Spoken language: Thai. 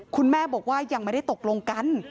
คุณแม่บอกว่ายังไม่ได้ตกลงกัน